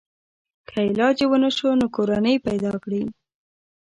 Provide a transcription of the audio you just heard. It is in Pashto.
که علاج یې ونشو نو کورنۍ پیدا کړي.